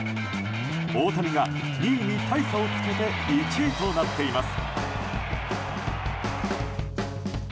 大谷が２位に大差をつけて１位となっています。